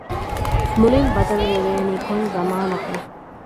މުޅިން ބަދަލުވެވޭނީ ކޮން ޒަމާނަކުން؟